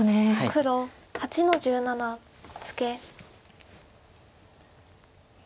黒８の十七ツケ。